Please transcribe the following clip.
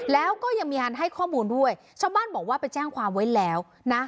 แล้วก็ยังมีการให้ข้อมูลด้วยชาวบ้านบอกว่าไปแจ้งความไว้แล้วนะ